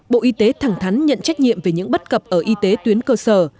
bộ y tế thẳng thắn nhận trách nhiệm về những bất cập ở y tế tuyến cơ sở